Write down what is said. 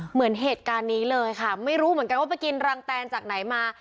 เหมือนเหตุการณ์นี้เลยค่ะไม่รู้เหมือนกันว่าไปกินรังแตนจากไหนมา